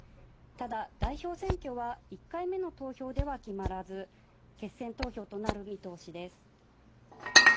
ただ、代表選挙は１回目の投票では決まらず、決選投票となる見通しです。